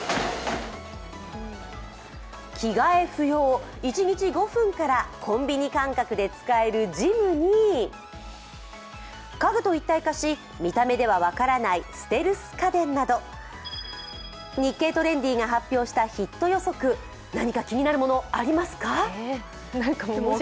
着替え不要、１日５分からコンビニ感覚で使えるジムに家具と一体化し、見た目では分からないステルス家電など「日経トレンディ」が発表したヒット予測、何か気になるものありますか。